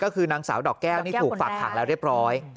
ก็คือนางสาวดอกแก้วนี่ถูกฝากขังแล้วเรียบร้อย